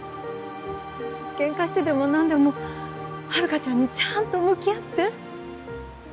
けんかしてでもなんでも遥ちゃんにちゃんと向き合って。